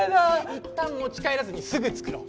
いったん持ち帰らずにすぐ作ろう。